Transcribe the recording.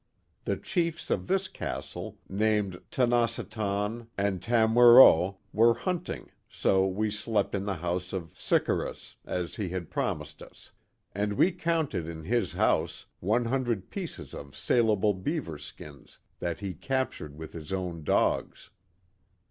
The chiefs of this Castle, named Tonnosatton and Tamwerot, were hunting, so we slept in the house of Sickarus, as he had promised us; and we counted in his house one hundred pieces of salable beaver skins that he captured with his own dogs.